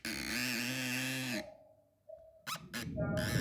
Moyoni mwake kukaingiwa na wazo kuwa bara la Afrika bado lilihitaji uhuru wake